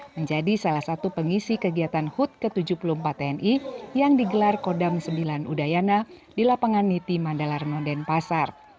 menjadi salah satu pengisi kegiatan hut ke tujuh puluh empat tni yang digelar kodam sembilan udayana di lapangan niti mandala renoden pasar